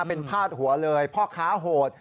เป็นพาดหัวเลยพ่อค้าโหด